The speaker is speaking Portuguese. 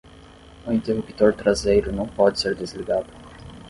O interruptor traseiro não pode ser desligado.